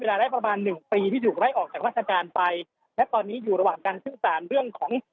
ได้ประมาณหนึ่งปีที่ถูกไล่ออกจากราชการไปและตอนนี้อยู่ระหว่างการสื่อสารเรื่องของ